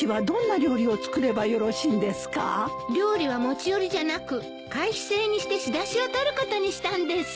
料理は持ち寄りじゃなく会費制にして仕出しを取ることにしたんです。